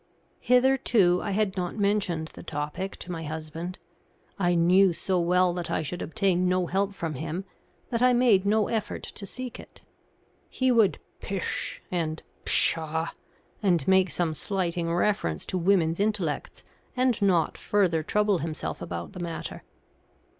Hitherto I had not mentioned the topic to my husband. I knew so well that I should obtain no help from him, that I made no effort to seek it. He would "Pish!" and "Pshaw!" and make some slighting reference to women's intellects, and not further trouble himself about the matter.